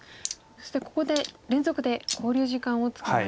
そしてここで連続で考慮時間を使われました。